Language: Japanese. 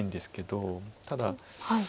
ただ。